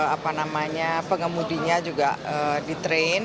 apa namanya pengemudinya juga di train